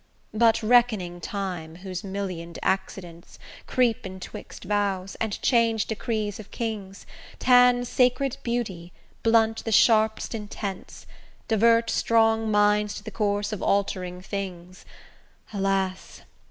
But reckoning Time, whose million'd accidents Creep in 'twixt vows, and change decrees of kings, Tan sacred beauty, blunt the sharp'st intents, Divert strong minds to the course of altering things; Alas!